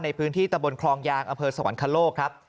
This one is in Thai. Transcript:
ในพื้นที่ตะบลคลองยางอสวรรค์คลโลกครับ